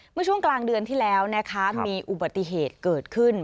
เมื่อช่วงกลางเดือนที่แล้วนะคะมีอุบัติเหตุเกิดขึ้น